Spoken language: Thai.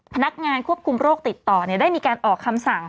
พนักงานควบคุมโรคติดต่อได้มีการออกคำสั่ง